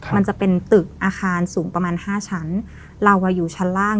มันจะเป็นตึกอาคารสูงประมาณห้าชั้นเราอยู่ชั้นล่าง